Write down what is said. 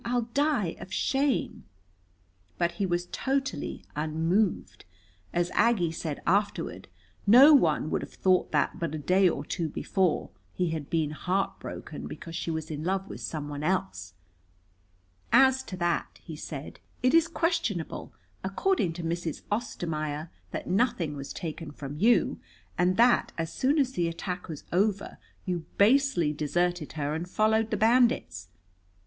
I'll die of shame." But he was totally unmoved. As Aggie said afterward, no one would have thought that, but a day or two before, he had been heartbroken because she was in love with someone else. "As to that," he said, "it is questionable, according to Mrs. Ostermaier, that nothing was taken from you, and that as soon as the attack was over you basely deserted her and followed the bandits.